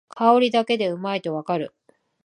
香りだけでうまいとわかる